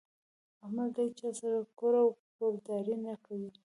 احمد له هيچا سره کور او کورداري نه کوي.